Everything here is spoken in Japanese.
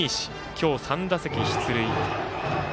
今日３打席出塁。